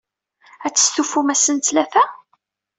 Ad testufum ass n ttlata?